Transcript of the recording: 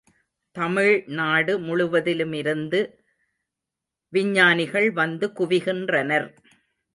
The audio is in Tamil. தமிழ்நாடு முழுவதிலுமிருந்து விஞ்ஞானிகள் வந்து குவிகின்றனர்.